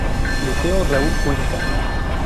Liceo Raúl Cuenca.